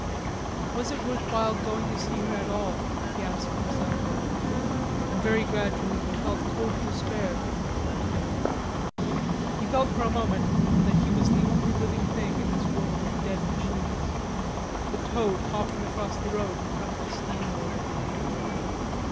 Was it worth while going to see her at all, he asked himself. And very gradually he felt cold despair taking hold of him. He felt for a moment that he was the only living thing in a world of dead machines; the toad hopping across the road in front of a steam roller.